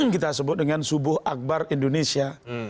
kita sebut dengan subuh akbar indonesia